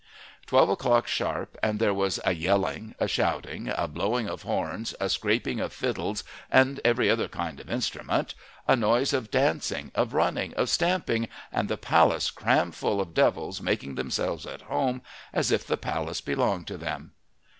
Twelve o'clock sharp and there was a yelling, a shouting, a blowing of horns, a scraping of fiddles and every other kind of instrument, a noise of dancing, of running, of stamping, and the palace cram full of devils making themselves at home as if the place belonged to them.